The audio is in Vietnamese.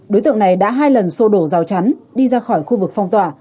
đối tượng này đã hai lần sô đổ rào chắn đi ra khỏi khu vực phong tỏa